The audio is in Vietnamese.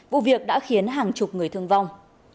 vụ việc đã khiến hàng chục người thương vong